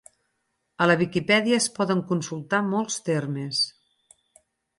A la Viquipèdia es poden consultar molts termes.